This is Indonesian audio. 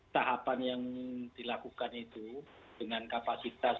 tahapan yang dilakukan itu dengan kapasitas